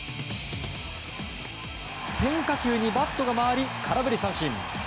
変化球にバットが回り空振り三振。